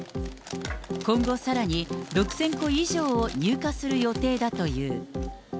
今後さらに、６０００個以上を入荷する予定だという。